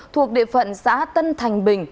thuộc địa phận xã tân thành bình